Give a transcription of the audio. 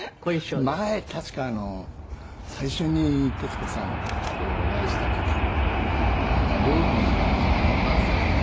前確か最初に徹子さんとお会いした時に「あなた料理の本何冊持っているの？」